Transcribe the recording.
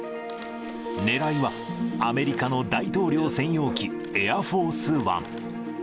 ねらいは、アメリカの大統領専用機、エアフォースワン。